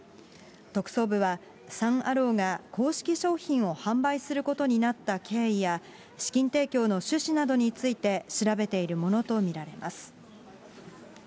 特捜部は、サン・アローが、公式商品を販売することになった経緯や、資金提供の趣旨などについて調べているものと見られます。